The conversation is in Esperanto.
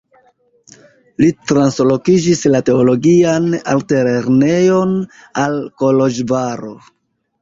Li translokigis la teologian altlernejon al Koloĵvaro.